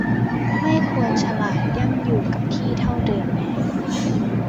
ไม่ควรฉลาดย่ำอยู่กับที่เท่าเดิมไง